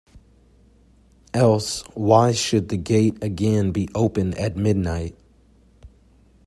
Else why should the gate again be open at midnight?